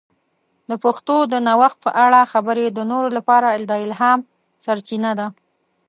د پښتو د نوښت په اړه خبرې د نورو لپاره د الهام سرچینه ده.